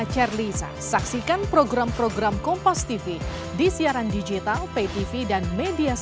terima kasih dan meriah